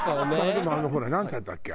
でもあのほらなんていったっけ？